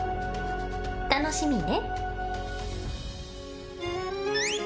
楽しみね。